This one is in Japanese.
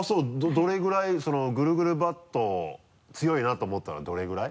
どれぐらいぐるぐるバット強いなって思ったのどれぐらい？